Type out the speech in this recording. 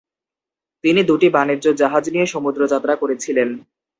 তিনি দুটি বাণিজ্য জাহাজ নিয়ে সমুদ্র যাত্রা করেছিলেন।